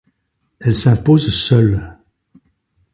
Elle s'impose seule.